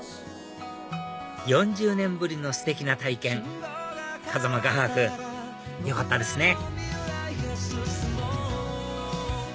４０年ぶりのステキな体験風間画伯よかったですね